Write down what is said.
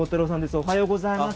おはようございます。